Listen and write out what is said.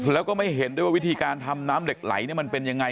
แล้วก็ไม่เห็นด้วยว่าวิธีการทำน้ำเหล็กไหลมันเป็นยังไง